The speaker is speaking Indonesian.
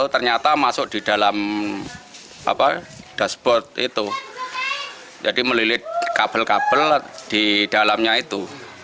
ternyata masuk di dalam dashboard itu jadi melilit kabel kabel di dalamnya itu